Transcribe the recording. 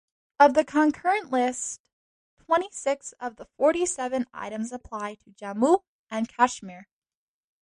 Of the 'Concurrent List', twenty-six of the forty-seven items apply to Jammu and Kashmir.